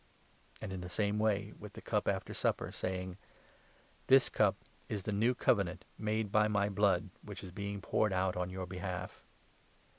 And in the same wav with the cup, after supper, saying : 20 "This cup is the New Covenant made by my blood which is being poured out on your behalf.